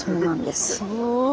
すごい。